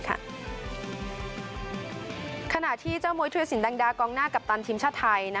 ขณะที่เจ้ามวยธุรสินแดงดากองหน้ากัปตันทีมชาติไทย